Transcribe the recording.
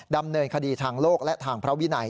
ดำเนินคดีทางโลกและทางพระวินัย